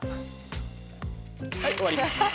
はい終わり。